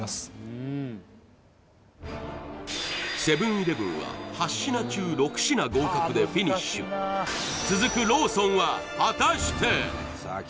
セブン−イレブンは８品中６品合格でフィニッシュローソン